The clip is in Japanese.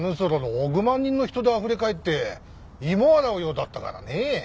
６万人の人であふれかえって芋を洗うようだったからね。